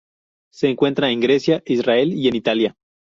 Se encuentra en Grecia, Israel y en Italia.